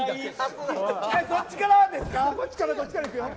そっちからですか。